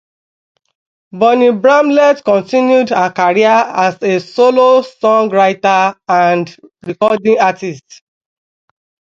Bonnie Bramlett continued her career as a solo songwriter and recording artist.